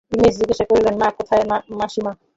উমেশ জিজ্ঞাসা করিল, মা কোথায় মাসিমা?